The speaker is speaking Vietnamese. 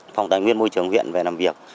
phòng tài nguyên môi trường huyện về làm việc